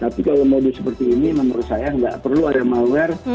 tapi kalau modus seperti ini menurut saya nggak perlu ada malware